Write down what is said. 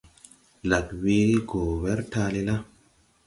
Lag we go wer taale la.